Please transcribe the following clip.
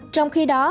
trong khi đó